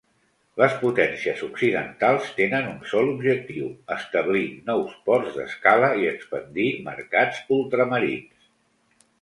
Les potències occidentals tenen un sol objectiu: establir nous ports d'escala i expandir mercats ultramarins.